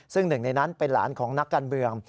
ซึ่งหนึ่งในนั้นเป็นหลานของนักการเมือง